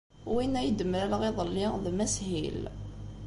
Win ay d-mlaleɣ iḍelli d Mass Hill.